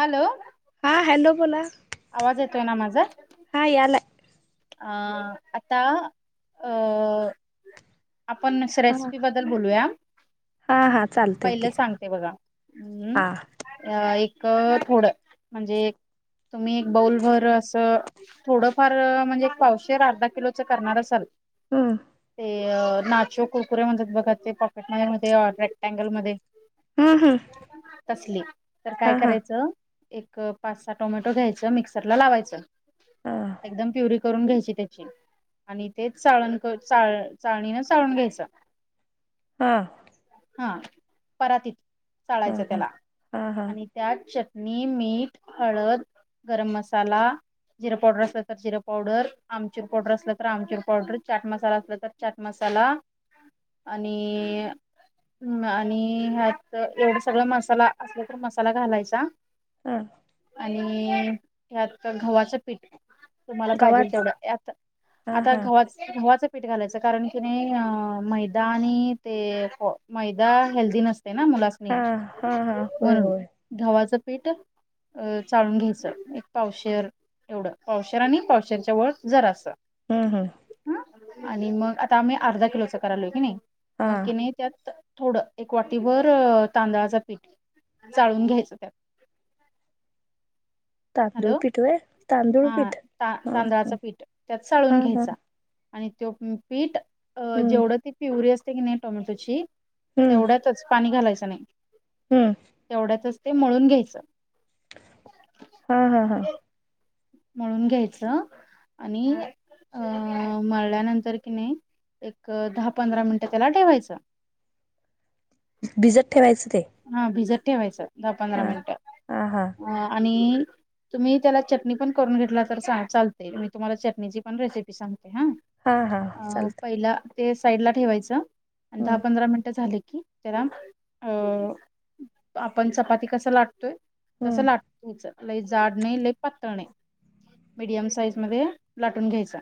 Hello. हा hello बोला. आवाज येतोय ना माझा हा यालाय. अं आता अ आपण हा रेसिपी बद्दल बोलूया. हा हा चालतय की पहिलं सांगते बघा हम् हा एक. थोडं म्हणजे तुम्ही एक बऊल भर असं थोडंफार म्हणजे पावशेर अर्धा किलोच करणार असाल. हा. ते नाचो कुरकुरे म्हणतात बघा ते पॉकेट मध्ये रेक्टँगलमध्ये हा हा. तसली तर काय करायचं एक पाच सहा टोमॅटो घ्यायचं मिक्सरला लावायचं. हा एकदम प्युरी करून घ्यायची त्याची आणि तेच चाळण-चाळ- चाळणीन चाळून घ्यायचा. हा. हा परातीत हा चाळायचं हा त्याला हा हा आणि त्यात चट णी मीठ हळद गरम मसाला जिर पावडर असलं तर जिर पावडर आमचूर पावडर असलं तर आमचूर पावडर चाट मसाला असला तर चाट मसाला साला आणि हम् आणि ह्यात एवढं सगळं मसाला असल तर मसाला घालायचा हम् आणि त्यात गव्हाचं पीठ तुम्हाला पाहिजे गव्हाच तेवढं हा आत-आता हा गवा- गव्हाचं पीठ घालायचं कारण की नाही अं.. मैदा आणि ते मैदा हेल्दी नसते ना मुलासनी हा हा हा होय म्हणून होय गव्हाचं पीठ अ चाळून घ्यायचं एक पावशर एवढं पावशर आणि पावशरच्या वर जरा असं हम्म हम् आणि मग आता आम्ही अर्धा किलोच करालोय की नाही हा मग कि नाही त्यात थोडं एक वाटीबर अं.. तांदळाच पीठ चाळून घ्यायचं त्यात तांदूळ हॅलो पीठ व्हय तांदूळ हा पीठ हा हा ता-तांदळाचं पीठ त्यात हा चाळून हा घ्यायच आणि तो पीठ हम्म जेवढं अं.. ती प्युरी असते की नाही टोमॅटोची हम्म तेवढ्यातच पाणी घालायचं नाही हम्म तेवढ्यातच ते मळून घ्यायचं हा हा हा मळून घ्यायचं आणि अं.. मळल्यानंतर कि नाही एक दहा पंधरा मिनिटं त्याला ठेवायचं बिजत ठेवायंच हा भिजत ठेवायचं दहा पंधरा मिनट हा हा आणि तुम्ही त्याला चटणी पण करून घेतला तर चाल- चालते मी तुम्हाला चटणीची पण रेसिपी सांग हा हा चालतय ते साईडला ठेवायचं आणि दहा पंधरा मिनटं झाले की त्याला अ आपण चपाती कस लाटतोय हम्म तसं लाट तुमच लय जाड नाही लय पातळ नाही मीडियम साईज मध्ये लाटून घ्यायचा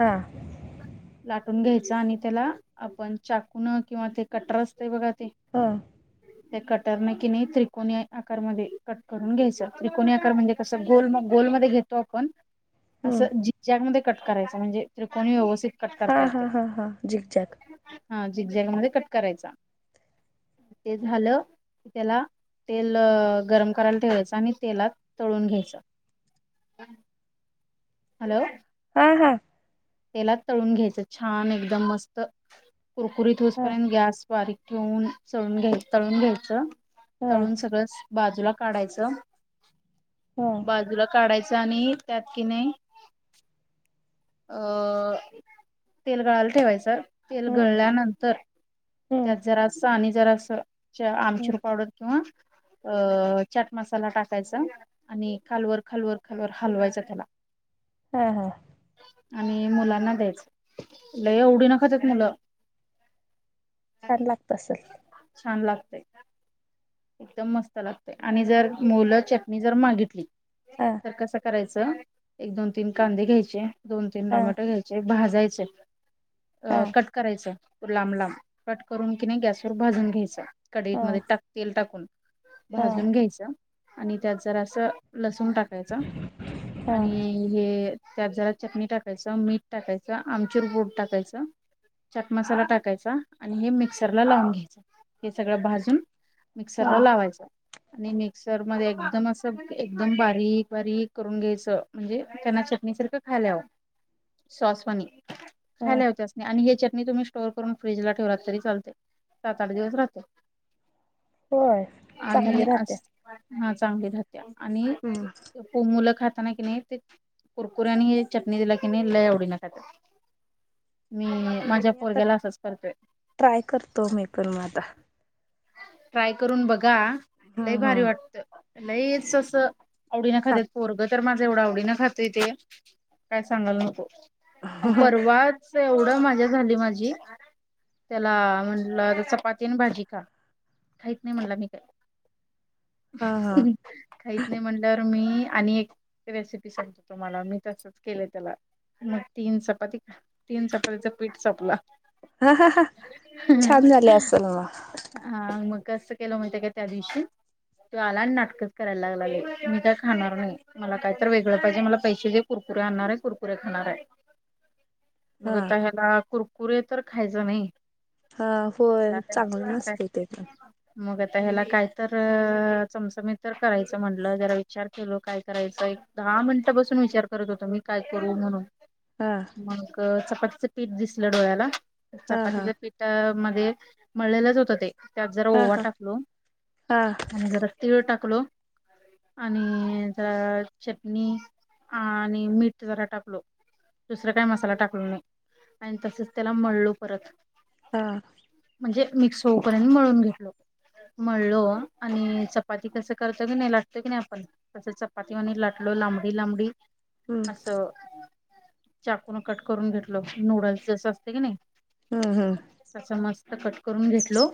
हा लाटून घ्यायचा आणि त्याला आपण चाकून किंवा ते कटर असते बघा.. ते हा त्या कटरने कणी त्रिकोणी आकारमध्ये कट करून घ्यायचं. त्रिकोणी आकार म्हणजे कसं गोल मग गोलमध्ये घेतो आपण अस हम्म ज्यामध्ये कट करायचं म्हणजे त्रिकोणी व्यवस्थित ते कट हा करता हा येते. हा हा झिकझॅक हा झिगझॅग मध्ये कट करायचा. ते झालं त्याला तेल गरम करायला ठेवायचं आणि तेलात तळून घ्यायचं. हॅलो... ह हा तेलात तळून घ्यायचं छान एकदम मस्त कुरकुरीत हा होऊसपर्यंत गॅस बारीक ठेऊन चळून घ्यायच. तळून घ्यायचं. हा तळून सगळं बाजूला काढायच. हा बाजूला काढायचं आणि त्यात कि नाही अ तेल गळायला ठेवायचं. तेल हम्म गळल्यानंतर हम्म त्यात जरासं आणि जरासं आमचुर हम्म पावडर किंवा अ चाट मसाला टाकायचा आणि खालवर खालवर खालवर हलवायचा त्याला हा हा आणि मुलांना द्यायच लई आवडीन खात्यात मुलं छान लागत असल. छान लागतय. एकदम मस्त लागतय आणि जर मुलं चटणी जर मागितली हा तर कसं करायचं एक दोन तीन कांदे घ्यायचे. दोन तीन हा टोमॅटो घ्यायचे. भाजायचे. हा अ कट करायच. लांब लांब कट करून कि नाही गॅसवर भाजून घ्यायच. हा कढईतमध्ये तेल टाकून हा हा भाजून घ्यायच आणि त्यात जरा अस लस टाकायचा आणि हा हे त्यात जरा चटणी टाकायचं. मीठ टाकायचं. आमचूर पूड टाकायचं. चॅट मसाला टाकायचा आणि हे मिक्सरला लावून घ्यायच. हे सगळं भाजून मिक्सर ला लावायचा आणि मिक्सर मध्ये एकदम असं एकदम बारीक बारीक करून घ्यायचं म्हणजे त्यांना चटणी सारखं खायला यावं. सॉसवानी हा खायला यावं त्यासनी आणि ह्याच्यात तुम्ही स्टोअर करून फ्रीज ला ठेवलात तरी चालते. सात आठ दिवस राहते. होय चांगली आणि राहते अस चांगली राहत्या आणि हम्म मुलं खाता त्यांना कणी ते कुरकुऱ्या आणि हे चटणी दिला की नाही लई आवडीन खात्यात. मी माझ्या मी आता पोरग्याला असच करतोय. ट्राय करतो मी पण मग आता ट्राय करून बघा. लय हम्म भारी हम्म वाटत. लयच असं आवडीनें सांग खात्यात. पोरगं तर माझं एवढं आवडीनें खातंय ते काय सांगायला नको... ह ह परवाच मज्जा झाली माझी त्याला म्हटलं, चपाती आणि भाजी खा. खाईत नाही म्हणला मी काय हा खाईत नाही म्हणलं तर मी आणि एक रेसिपी सांगतो तुम्हाला मी तसच केलं त्याला मग तीन चपाती तीन चपातीचं पीठ संपला. ह हा ह छान झाले असेल मग हा मग कसं केलं माहित आहे का त्या दिवशी त्यो आला आणि नाटकंच करायला लागला लई मी काय खाणार नाही. मला काय तर वेगळं पाहिजे. मला पैसे दे. कुरकुऱे आणणार आहे. कुरकुऱे खाणार आहे. मग हा आता ह्याला कुरकुरे तर खायच नाही. हा होय चांगलं नसतं ते पण मग आता ह्याला काय तर चमचमी तर करायचं म्हणटलं, जरा विचार केल काय करायचं? दहा मिनटापासून विचार करत होत मी काय करू म्हणून. हा मग चपातीचं पीठ दिसलं डोळ्याला. हा हा चपातीच पीठ मग ते मळलेलच होत ते. त्यात जरा हा ओवा हा टाकलो हा आणि जरा तीळ टाकलो. [unintelligible] आणि जरा चटणी आणि मीठ जरा टाकलो. दुसरा काय मसाला टाकलो नाही आणि तसेच त्याला मळलो परत. हा. म्हणजे मिक्स होऊ परण मळून घेतल. मळलो आणि चपाती कसं करतो की नाही? लाटतो की नाही आपण? तसं चपाती वानी लाटलो. लांबडी लांबडी. हम्म असं चाकूनं कट करून घेतलं नूडल्स जसं असतं की नाही? हम्म हम्म तसं मस्त कट करून घेटलो.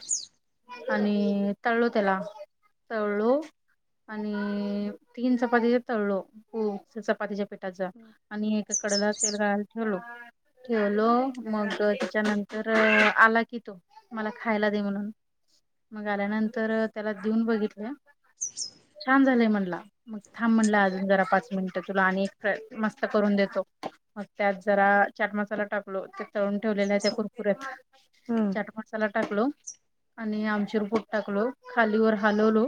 आणि तळलो त्याला. तळलो आणि तीन चपातीचे तळलो खूप चपातीचे पेटाचा आणि एक कडंला तेल गाळायला ठेवलो. ठेवलो मग त्याच्यानंतर आला की तो मला खायला दे म्हणून मग आल्यानंतर त्याला देऊन बघितलं छान झालंय म्हण मग थांब म्हणलं अजून जरा पाच मिनट तुला आणि मस्त करून देतो. मग त्या जरा चाट मसाला टाकलो तर तळून ठेवलेला आहे त्या कुरकुऱ्यात. हम्म चाट मसाला टाकलो. आणि आमचूर पोट टाकलो खालीवर हलवलो.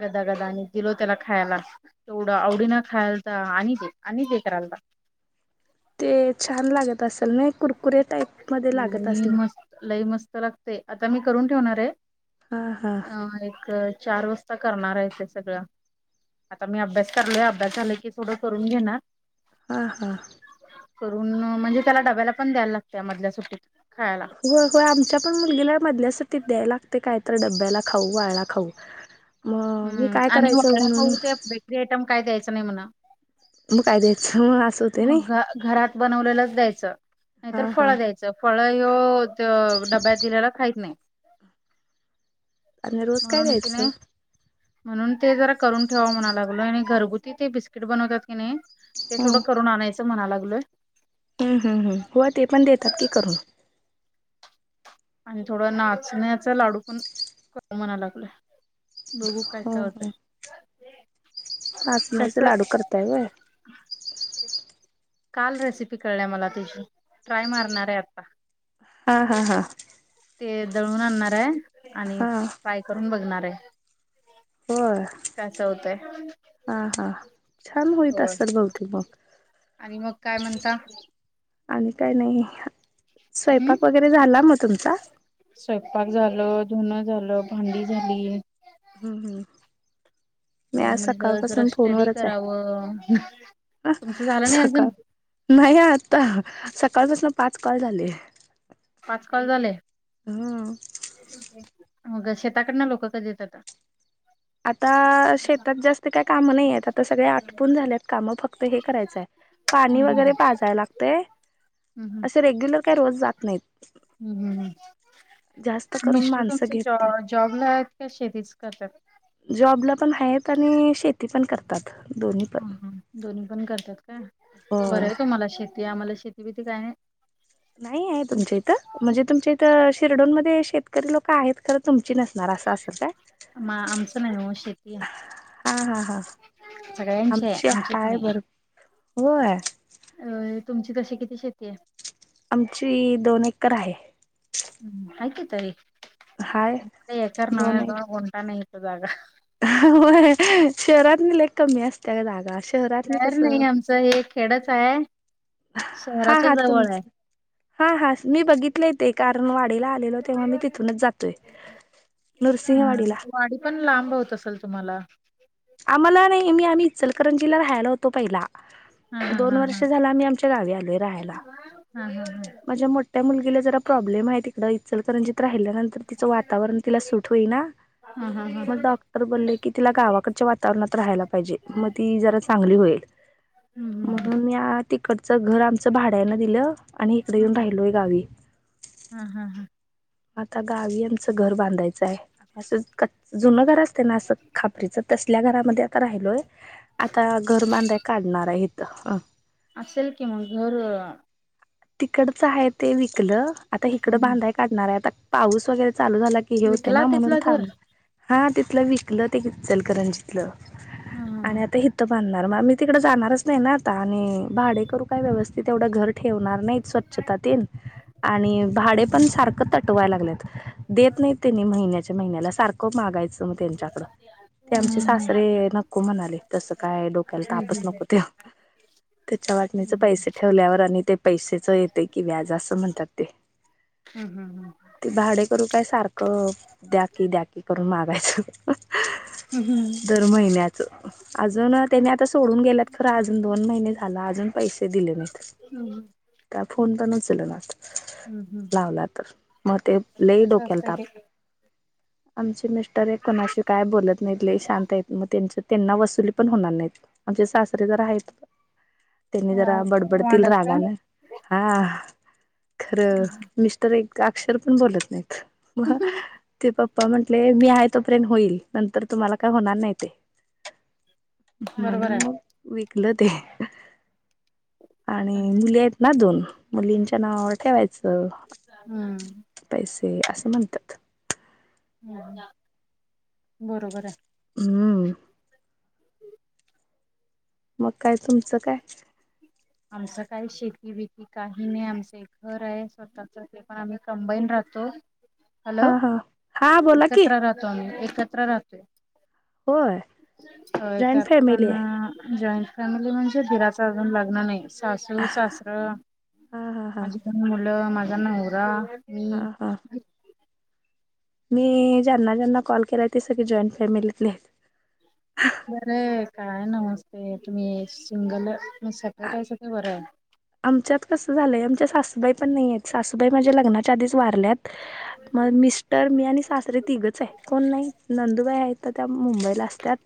गदा गदा आणि दिलो त्याला खायला. तेवढं आवडीन खायलता तर आणि आणि दे करालता. [inaudible] ते छान लागत असेल नाय कुरकुरे टाईप? मध्ये लागत लई असणार मस्त, लई मस्त लागते. आता मी करून ठेवणार आहे. हा हा अं एक चार वाजता करणार आहे ते सगळं. आता मी अभ्यास करलोय अभ्यास झाला की थोडं करून घेणार. हा हा. करून म्हणजे त्याला डब्याला पण द्यायला लागतं मधल्या सुटीत. हो होय आमच्या पण मुलगीला मधल्या सुट्टीत द्याय लागते काय तर डब्याला खाऊ वायला खाऊ. मग मी हम् काय आणि करायचं वायला म्हणून खाऊ त्या बेकरी आयटम काय द्यायचं नाही म्हणं मग काय द्यायचं मग असं होते नाही मग घरात बनवलेलंच द्यायचं. हा नाहीतर हा फळं द्यायचं फळं त्यो त्यो डब्यात दिलेला खाहीत नाही आणि रोज काय म्हणून की नाही द्यायचं? म्हणून ते जरा करून ठेवाव म्हणा लागलोय. आणि घरगुती ते बिस्किट बनवतात कि नाही? ते हम्म थोडं करून आणायचं म्हणा लागलोय. हम्म हम् हम हो ते पण देतात की करून. आणि थोडा नाचण्याचा लाडू पण [unintelligible] म्हणा लागलंय. बघू काय हो काय हो होतय. नाचण्याचे लाडू करताय व्हय. काल रेसिपी कळल्या मला तेची, ट्राय मारणार आहे आता. हा हा हा. ते दळून आणणार आहे. आणि हा फ्राय करून बघणार आहे. होय कसं होतंय हा हा छान होईत होय असतात बहुते मग. आणि मग काय म्हणता? आणि काय नाही, हम्म स्वयंपाक वगैरे झाला मग तुमचा? धुणं झालं, भांडी झाली. हम् हम. मग म्हटलं जरा स्टडी आहे करावं. तुमचं झालं नाही सकाळ अजून. नाही आता सकाळपास ना पाच कॉल झाले. पाच कॉल झाले. ह मग शेताकडन लोकं कधी येतात. आता शेतात जास्त काय काम नाही आहेत आता सगळे आटपून झालेत काम फक्त हे करायचंय. पाणी वगैरे हम् पाजाय लागतय असे रेग्युलर काय रोज जात नाहीत. हम्म हम्म. जास्त करून मिस्टर माणसं तुमचा जॉ घेत जॉबला आहेत का शेतीच करत्या त. जॉबला पण आहेत आणि शेती पण करतात. दोन्ही पण अ दोन्ही पण करतात का बरं होय आहे तुम्हाला शेतीय आम्हाला शेती बीती काय न्हाय. नाही चिरडोण मध्ये शेतकरी लोक आहेत खं तुम म आमचं नाही ओ शेतीय. हा हा हा आहे आमची आमचीच हाय नाही भरपूर हाय. अ तुमची तशी किती शती. आमची दोन एकर आहे. आहे की तरी हाय कोणतं एकर नावावर दोन इत गुंठा नाही हित जागा. शहरात म्हणलं कमी असत्या जागा आशी शहर नाही आमचं हे खेडच हाय. हा हा तुमच हा हा मी बघितलंय ते कारण वा डेला आलेल तेव्हा मी तिथूनच जातोय. हम् नृसिंहवाडीला वाडी पण लांब होत असेल तुम्हाला. आम्हाला नाही मी आम्ही इचलकरंजीला राहायला होतो पहिला. हा हा दोन हा वर्ष हा झाला आम्ही आमच्या गावी आलोय राहायला. हा हा हा माझ्या मोठ्या मुलगीला ज रा प्रॉब्लेम आहे तिकड इचलकरंजीत राहिल्यानंतर तिचं वातावरण तिला सुट होईना. हा हा हा मग हम्म डॉक्टर बोलले की ति गावाक च्या वातावरणात राहिला पाहिजे म तिजरा चांगली होईल. हम्म म्हणून तिकड च घर आमचं भाड्यानं दिलं आणि इकडे येऊन हम्म राहिलोय गावी. हा हा हा आता गावी आमचं घर बांधायचाय आस कच जुनं घर आस ते ना अस खापरीच तसल्या घरामध्ये आता राहिलोय आता घरबांध्या काढणार हाय हित हा. असेल कि मग घर. तिकडच हाय ते विकलं आता हिकडं हम्म बांधाय काढणार हाय आता पाऊस वगैरे चालू झाला की हे होते विकला ना म्हणून तिथलं घर थांब, हा तिथलं विकलं ते इचलकरंजीतलं. हा हा आणि हा आता हित बांदनार मग मी तिकडे जाणारच नाही ना आता आणि भाडे करू काय व्यवस्थित एवढं घर ठेवणार नाहीत स्वच्छता तेन आणि भाडे पण हम्म सारखं तटवाय लागल्यात. देत नाहीत त्यांनी महिन्याच्या महिन्याला सारखं मागायचं मग त्यांच्याकडं. ते आमचे हम्म सासरे नको म्हणाले, तसं काय डोक्याला तापच हम्म नको त्येव. त्याच्या वाटणीचे पैसे ठेवल्यावर आणि ते पैसेच येते की व्याज असं म्हणतात ते. हम् हम ह. ते भाडे करू काय सारखं द्याकी द्याकी करून मागायचं. हम्म दर महिन्याच अजून त्यांनी आता सोडून गेल्यात खर अजून दोन महिने झाला अजून पैसे दिले नाहीत त्या फोन पण उचल, हम्म हम् हम्म. म ते लई डोक्याला ताप. आमचे मिस्टर आहे कोणाशी काय बोलत नाहीत. लय शांत आहेत मग त्यांच्या त्यांना वसुली पण होणार नाहीत. आमचे सासरे जरा आहेत. [unintelligible] त्यांनी जरा बडबडतील वांडत रागा का ना हा खरं मिस्टर एक. ते अक्षर पण बोलत नाहीत ते प् पप्पा म्हंटले मी आहे, तो प्रेंत होईल नंतर तुम्हाला काय होणार नाही ते. बरोबर म्हणून आहे मग विकलं ते. आणि मुली आहेत ना दोन मुलींच्या नावावर ठेवायचं. हम्म पैसे असं म्हणतात. बरोबर आहे. हम्म. [unintelligible] मग काय तुमचं काय. आमचं काही शेती बीती काही नाही, आमचं घर आहे स्वतःच ते पण आम्ही कंबाईन राहतो. हॅलो हा हा हा बोला की एकत्र राहतो आम्ही एकत्र राहतोय. होय होय जॉईंट त्यात फॅमिली पण. आहे जॉईंट फॅमिली म्हणजे दीराचा अजून लग्न नाही. सासू सासरं हा हा हा माझीकन मुलं माझा नवरा. हा हम्म हा [unintelligible] मी ज्यांना ज्यांना कॉल केलाय ते सगळे जॉईंट फॅमिलीतले. बरं आहे काय नमस्ते तुम्ही सिंगल सतटायच ते बरं आहे. आमच्यात कसं झालंय आमच्या सासूबाई पण नाहीय, सासूबाई माझ्या लग्नाच्या आधी. वारल्यात माझे मिस्टर मी आणि सासरे तिघच आहे, कोण नाही नंदूबाई आहेत. मुंबईला असत्यात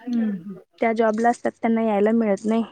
आहे. त्या जॉब ला असतात त्यांना याला मिळत नाही.